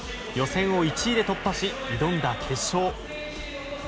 予選を１位で突破し挑んだ決勝。